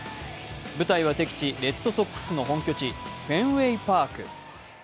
舞台は敵地・レッドソックスの本拠地、フェンウェイ・パーク。